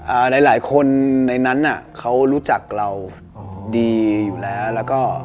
หลายหลายคนในนั้นอ่ะเขารู้จักเราดีอยู่แล้วแล้วก็